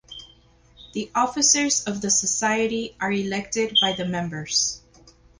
The officers of the Society are elected by the members.